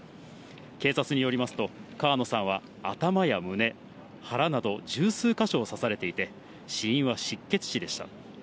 警察によりますと、川野さんは、頭や胸、腹など十数か所を刺されていて、死因は失血死でした。